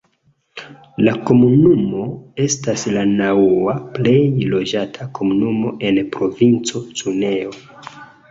La komunumo estas la naŭa plej loĝata komunumo en provinco Cuneo.